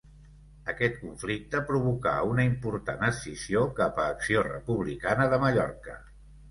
Aquest conflicte provocà una important escissió cap a Acció Republicana de Mallorca.